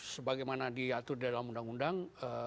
sebagaimana diatur dalam undang undang